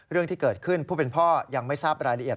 เรื่องที่เกิดขึ้นผู้เป็นพ่อยังไม่ทราบรายละเอียด